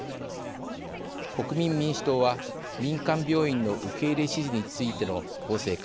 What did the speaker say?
国民民主党は民間病院の受け入れ指示についての法制化。